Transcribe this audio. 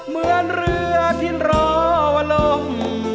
เหมือนเรือทิ้นรอวะลม